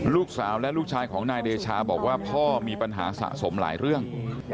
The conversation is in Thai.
ลูกสาวและลูกชายของนายเดชาบอกว่าพ่อมีปัญหาสะสมหลายเรื่อง